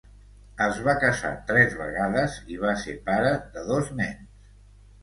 Es va casar tres vegades i vas ser pare de dos nens.